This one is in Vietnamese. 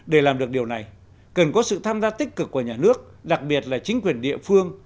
để làm được điều này cần có sự tham gia tích cực của nhà nước đặc biệt là chính quyền địa phương